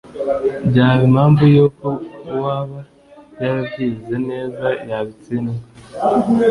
byaba impamvu y’uko uwaba yabyize neza yabitsindwa